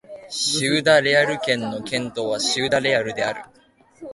シウダ・レアル県の県都はシウダ・レアルである